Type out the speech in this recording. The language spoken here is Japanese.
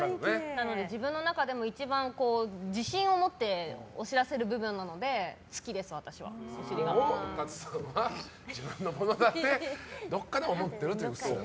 なので自分の中でも一番自信を持ってお尻は出せる部分なのでＴＡＴＳＵさんは自分のものだとどこかで思っていると？